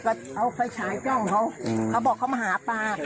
เขาไปฉายกล้องเขาบอกเขามาหาปลา